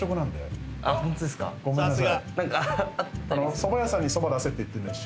そば屋さんにそば出せって言ってんのと一緒。